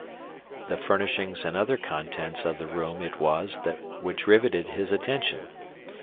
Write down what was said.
The furnishings and other contents of the room it was which riveted his attention.